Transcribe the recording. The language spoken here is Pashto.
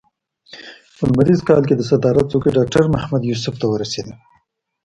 په لمریز کال کې د صدارت څوکۍ ډاکټر محمد یوسف ته ورسېده.